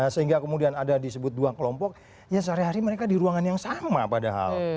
sehingga kemudian ada disebut dua kelompok ya sehari hari mereka di ruangan yang sama padahal